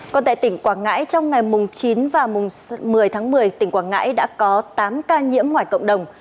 còn tại tỉnh quảng ngãi trong ngày mùng chín và một mươi tháng một mươi tỉnh quảng ngãi đã có tám ca nhiễm ngoài cộng đồng